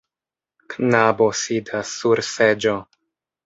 Knabo sidas sur seĝo.